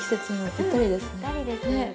ぴったりです。